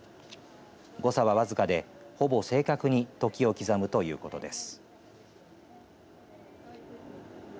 誤差は僅かで、ほぼ正確に時を刻むということです。